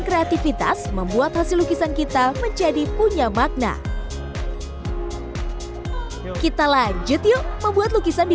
kreativitas membuat hasil lukisan kita menjadi punya makna kita lanjut yuk membuat lukisan di